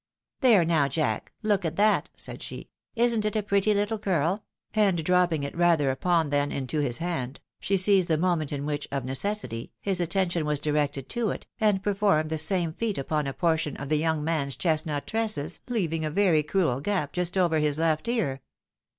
" There now, Jack — ^look at that," said she ;" isn't it a pretty little curl ?" And dropping it rather upon than into his hand, she seized the moment in which, of necessity, his atten tion was directed to it, and performed the same feat upon a por tion of the young man's chestnut tresses, leaving a very cruel gap just over his left ear.